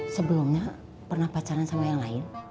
sebelumnya pernah pacaran sama yang lain